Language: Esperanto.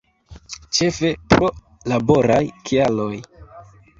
Ĉefe pro laboraj kialoj.